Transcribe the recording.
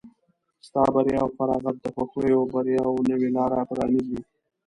ستا بریا او فارغت د خوښیو او بریاوو نوې لاره پرانیزي.